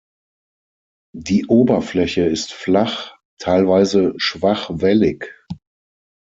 Die Oberfläche ist flach, teilweise schwach wellig.